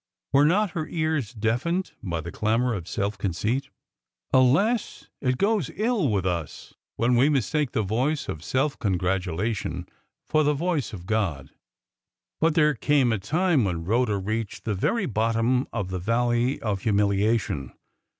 Were not her ears deafened by the clamour of self conceit? Alas, it goes ill with us when we mistake the voice of self congratulation for the voice of God! But there came a time when Rhoda reached the very bottom of the Valley of Humiliation.